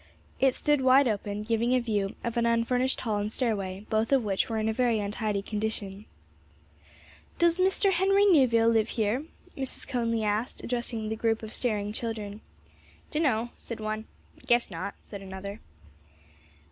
It stood wide open, giving a view of an unfurnished hall and stairway, both of which were in a very untidy condition. "Does Mr. Henry Neuville live here?" Mrs. Conly asked, addressing the group of staring children. "Dunno," said one. "Guess not," said another.